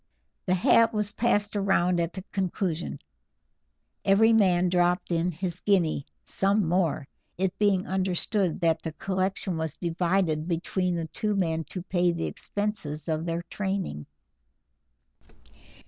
The hat was passed round at the conclusion: Every man dropped in his guinea, some more, it being understood that the collection was divided between the two men to pay the expenses of their training.